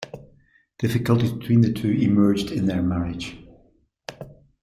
Difficulties between the two emerged in their marriage.